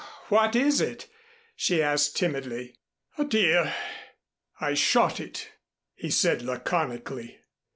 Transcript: "W what is it?" she asked timidly. "A deer. I shot it," he said laconically.